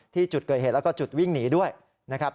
ที่จุดเกิดเหตุแล้วก็จุดวิ่งหนีด้วยนะครับ